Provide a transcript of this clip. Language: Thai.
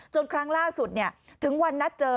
จนครั้งล่าสุดเนี่ยถึงวันนัดเจอ